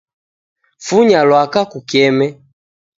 Funya lwaka kukeme